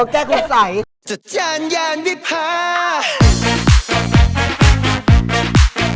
แก้คุณใสหรอ